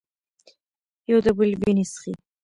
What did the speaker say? یو د بل وینې څښي.